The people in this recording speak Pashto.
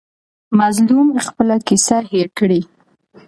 مظلوم خپله کیسه هېر کړي.